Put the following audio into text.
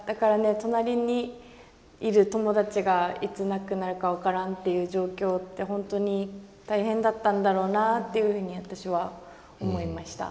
隣にいる友達がいつ亡くなるか分からんっていう状況って本当に大変だったんだろうなっていうふうに私は思いました。